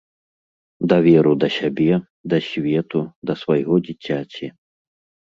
Даверу да сябе, да свету, да свайго дзіцяці.